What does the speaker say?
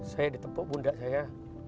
saya ditemukan bunda saya